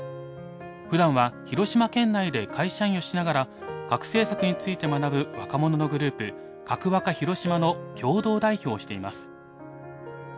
ふだんは広島県内で会社員をしながら核政策について学ぶ若者のグループカクワカ広島の共同代表をしています。